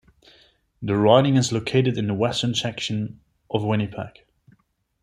The riding is located in the western section of Winnipeg.